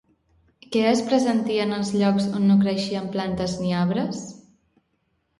Què es pressentia en els llocs on no creixien plantes ni arbres?